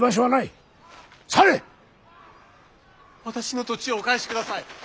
私の土地をお返しください。